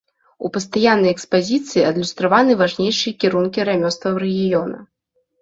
У пастаяннай экспазіцыі адлюстраваны важнейшыя кірункі рамёстваў рэгіёна.